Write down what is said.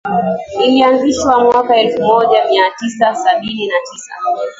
ilianzishwa mwaka elfumoja miatisa sabini na tisa